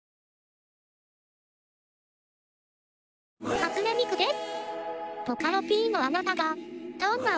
初音ミクです。